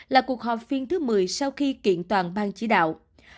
là cuộc họp phiên thứ một mươi sau khi kiện toàn ban chỉ đạo